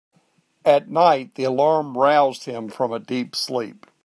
At night the alarm roused him from a deep sleep.